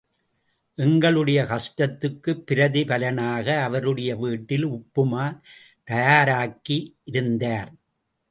எங்களுடைய கஷ்டத்துக்குப் பிரதிபலனாக, அவருடைய வீட்டில் உப்புமா தயாராக்கி இருந்தார்.